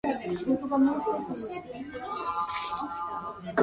Hoey is known for her longstanding interest in sport.